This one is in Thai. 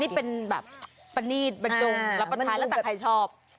นี่เป็นแบบปรณีตบรรจงรับประทานแล้วแต่ใครชอบ